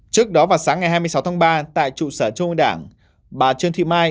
trước đó vào sáng ngày hai mươi sáu tháng ba tại trụ sở trung ương đảng bà trương thị mai